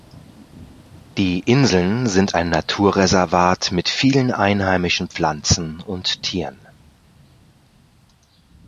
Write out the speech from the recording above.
Die Inseln sind ein Naturreservat mit vielen einheimischen Pflanzen und Tieren.